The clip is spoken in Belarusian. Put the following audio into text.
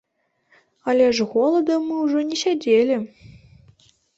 Але ж голадам мы ўжо не сядзелі.